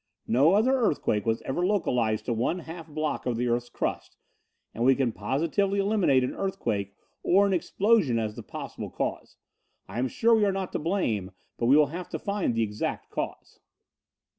No other earthquake was ever localized to one half block of the earth's crust, and we can positively eliminate an earthquake or an explosion as the possible cause. I am sure we are not to blame, but we will have to find the exact cause."